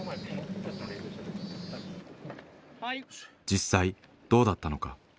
実際どうだったのか。